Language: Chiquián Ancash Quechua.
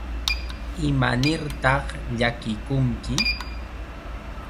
¿Imanirtaq llakikunki?